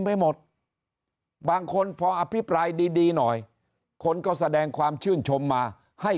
ไปหมดบางคนพออภิปรายดีหน่อยคนก็แสดงความชื่นชมมาให้